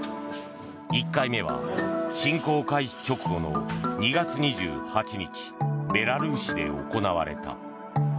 １回目は侵攻開始直後の２月２８日ベラルーシで行われた。